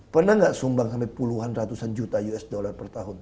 pernah nggak sumbang sampai puluhan ratusan juta usd per tahun